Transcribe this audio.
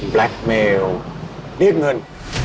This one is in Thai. แบล็คเมลเรียกเงิน